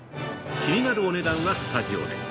気になるお値段はスタジオで！